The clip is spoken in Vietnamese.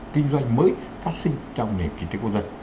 kinh doanh mới phát sinh trong nền kinh tế quốc dân